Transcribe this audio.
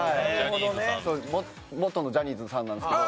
元のジャニーズさんなんですけど。